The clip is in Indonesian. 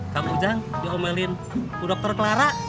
kak ujang diomelin bu dokter clara